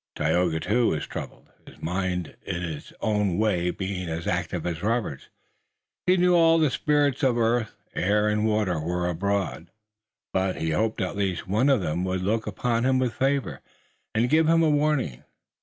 Tayoga too was troubled, his mind in its own way being as active as Robert's. He knew all the spirits of earth, air and water were abroad, but he hoped at least one of them would look upon him with favor, and give him a warning.